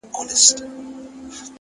نظم د بریالي ژوند چوکاټ دی!.